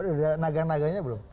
udah ada naganya naganya belum